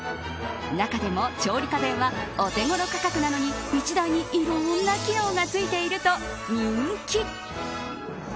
中でも調理家電はお手ごろ価格なのに１台にいろんな機能がついていると人気。